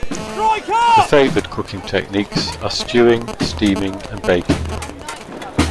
The favored cooking techniques are stewing, steaming, and baking.